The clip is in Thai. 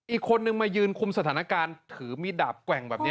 อีกคนนึงมายืนคุมสถานการณ์ถือมีดาบแกว่งแบบนี้